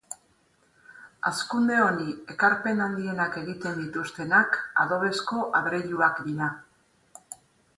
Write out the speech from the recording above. Hazkunde honi ekarpen handienak egiten dituztenak adobezko adreiluak dira.